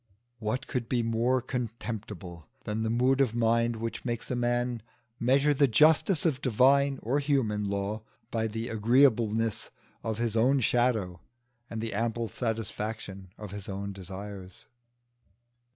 What could be more contemptible than the mood of mind which makes a man measure the justice of divine or human law by the agreeableness of his own shadow and the ample satisfaction of his own desires?